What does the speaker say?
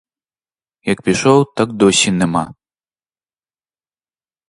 Як пішов, так досі нема.